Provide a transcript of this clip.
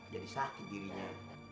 jadi sakit dirinya